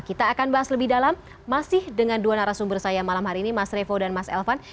kita akan bahas lebih dalam masih dengan dua narasumber saya malam hari ini mas revo dan mas elvan